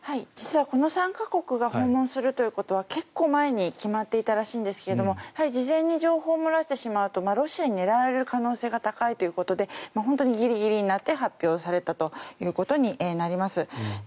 実はこの３か国が訪問するということは結構、前に決まっていたらしいんですがやはり事前に情報を漏らしてしまうとロシアに狙われる可能性が高いということで本当にギリギリになって発表されたということになります。